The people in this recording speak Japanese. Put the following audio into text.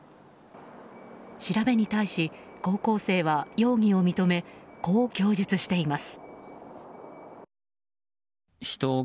調べに対し高校生は容疑を認めこう供述しています。